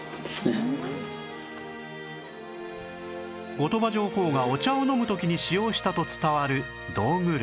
後鳥羽上皇がお茶を飲む時に使用したと伝わる道具類